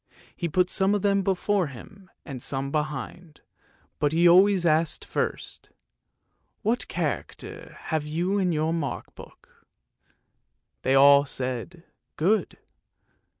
He put some of them before him and some behind, but he always asked first, " What character have you in your mark book? " They all said " good."